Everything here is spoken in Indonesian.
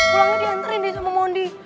pulangnya dianterin deh sama mondi